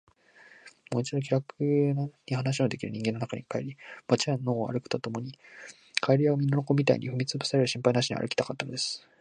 もう一度、気らくに話のできる人間の中に帰り、街や野を歩くときも、蛙や犬の子みたいに踏みつぶされる心配なしに歩きたかったのです。